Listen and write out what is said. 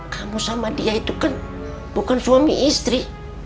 kamu sama dia itu kan bukan suami istri